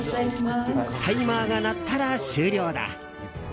タイマーが鳴ったら終了だ。